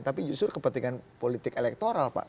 tapi justru kepentingan politik elektoral pak